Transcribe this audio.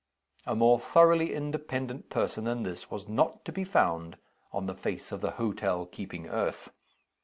A more thoroughly independent person than this was not to be found on the face of the hotel keeping earth.